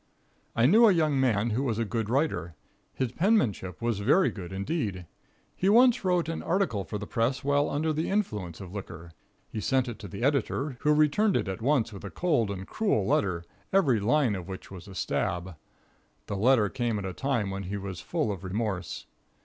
I knew a young man who was a good writer. His penmanship was very good, indeed. He once wrote an article for the press while under the influence of liquor. He sent it to the editor, who returned it at once with a cold and cruel letter, every line of which was a stab. The letter came at a time when he was full of remorse.